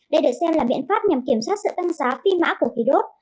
đây được xem là biện pháp nhằm kiểm soát sự tăng giá phi mã của khí đốt